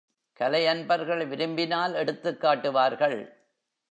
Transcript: கலை அன்பர்கள் விரும்பினால் எடுத்துக் காட்டுவார்கள்.